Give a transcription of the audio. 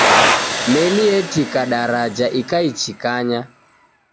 Meli yetika jaraja ikaichikanya